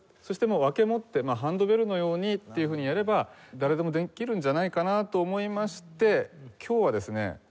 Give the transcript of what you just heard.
そして分け持ってハンドベルのようにっていうふうにやれば誰でもできるんじゃないかなと思いまして今日はですね